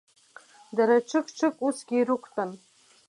Дара ҽык-ҽык усгьы ирықәтәан.